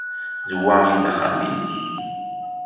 D wa ay d axxam-nnek?